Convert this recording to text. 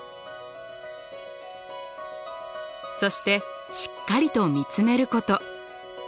そしてしっかりと見つめること。